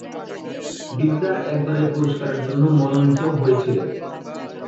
বিদ্যা একবার এ পুরস্কারের জন্য মনোনীত হয়েছিলেন।